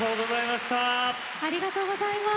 ありがとうございます。